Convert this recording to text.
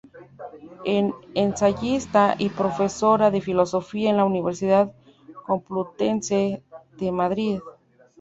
Es ensayista y profesora de Filosofía en la Universidad Complutense de Madrid.